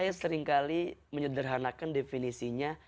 saya seringkali menyederhanakan definisinya